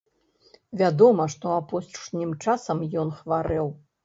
Вядома, што апошнім часам ён хварэў.